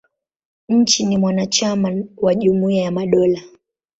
Nchi ni mwanachama wa Jumuia ya Madola.